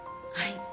はい。